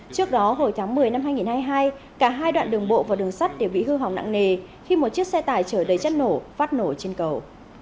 trước đó hồi tháng một mươi năm hai nghìn hai mươi hai cả hai đoạn đường bộ và đường sắt đều bị hư hỏng nặng nề khi một chiếc xe tải chở đầy chất nổ phát nổ trên cầu